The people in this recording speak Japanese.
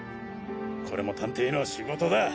これも探偵の仕事だ。